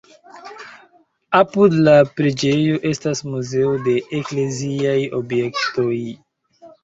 Apud la preĝejo estas muzeo de ekleziaj objektoj.